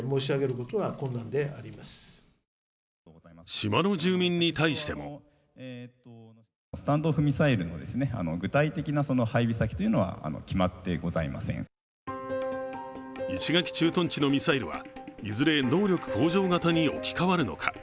島の住民に対しても石垣駐屯地のミサイルはいずれ能力向上型に置き換わるのか。